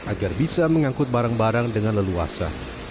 agar bisa mengangkut barang barang dengan leluasa